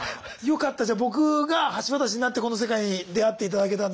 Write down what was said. よかったじゃあ僕が橋渡しになってこの世界に出会っていただけたんだ野間口さん。